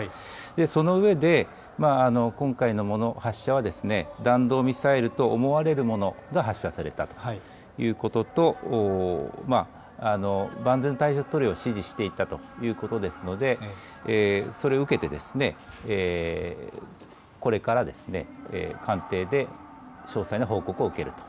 その上で、今回のもの、発射は、弾道ミサイルと思われるものが発射されたということと、万全の態勢を取るよう指示していたということですので、それを受けて、これから官邸で詳細な報告を受けると。